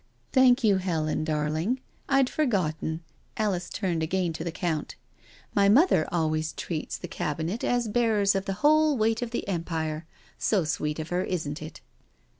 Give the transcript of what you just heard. " Thank you, Helen darling— I'd forgotten." Alice turnied again to the Count. " My mother always treats 222 NO SURRENDER the Cabinet as bearers of the whole weight of the Empire — so sweet of her, isn't it?"